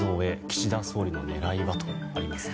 岸田総理の狙いは？とあります。